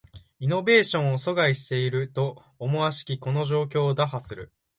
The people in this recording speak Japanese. イノベーションを阻害していると思しきこの状況を打破する